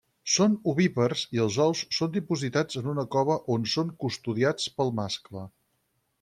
Són ovípars i els ous són dipositats en una cova on són custodiats pel mascle.